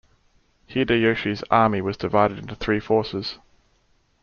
Hideyoshi's army was divided into three forces.